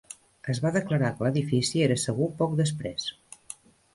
Es va declarar que l'edifici era segur poc després.